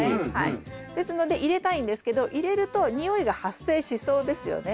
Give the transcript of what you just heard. ですので入れたいんですけど入れると臭いが発生しそうですよね。